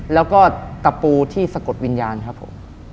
แล้วก็ตะปูที่สะกดวิญญาณครับผม